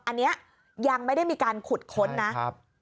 อันนี้ยังไม่ได้มีการขุดค้นนะครับ